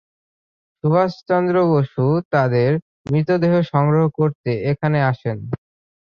সুভাষচন্দ্র বসু তাদের মৃতদেহ সংগ্রহ করতে এখানে আসেন।